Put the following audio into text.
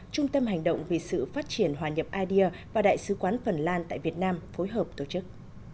trung tâm hành động vì sự phát triển hòa nhập idea và đại sứ quán phần lan tại việt nam phối hợp tổ chức